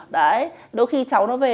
đôi khi cháu nó về